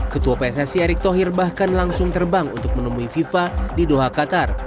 ketua pssi erick thohir bahkan langsung terbang untuk menemui fifa di doha qatar